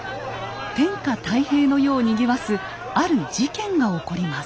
天下太平の世をにぎわすある事件が起こります。